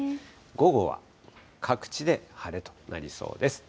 午後は各地で晴れとなりそうです。